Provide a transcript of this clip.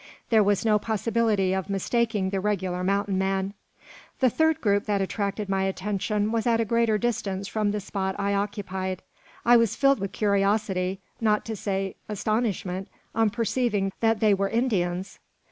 There was no possibility of mistaking the regular mountain man. The third group that attracted my attention was at a greater distance from the spot I occupied. I was filled with curiosity, not to say astonishment, on perceiving that they were Indians.